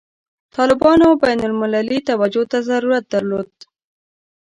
طالبانو بین المللي توجه ته ضرورت درلود.